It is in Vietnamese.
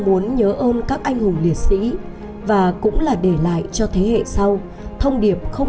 muốn nhớ ơn các anh hùng liệt sĩ và cũng là để lại cho thế hệ sau thông điệp không